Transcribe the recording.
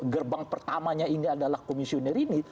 gerbang pertamanya ini adalah komisioner ini